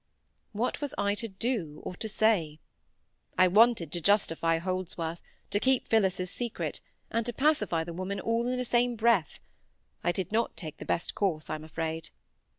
What was I to do, or to say? I wanted to justify Holdsworth, to keep Phillis's secret, and to pacify the woman all in the same breath. I did not take the best course, I'm afraid.